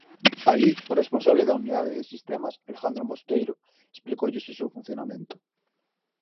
Alí, o responsable da unidade de sistemas, Alejandro Mosteiro, explicoulles o seu funcionamento.